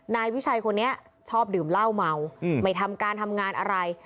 นายวิชัยคนนี้ชอบดื่มเหล้าเมาไม่ทำการทำงานอะไร